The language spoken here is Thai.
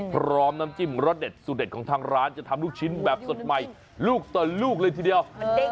น้ำจิ้มรสเด็ดสุดเด็ดของทางร้านจะทำลูกชิ้นแบบสดใหม่ลูกต่อลูกเลยทีเดียว